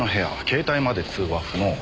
携帯まで通話不能。